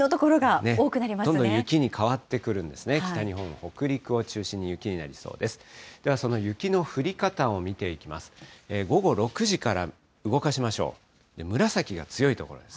どんどん雪に変わってくるんですね、北日本、北陸を中心に雪になりそうです。